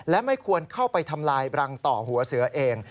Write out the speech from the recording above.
และไม่ควรเข้าไปทำลายรังต่อหัวเสือเอง